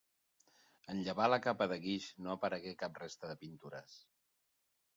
En llevar la capa de guix no aparegué cap resta de pintures.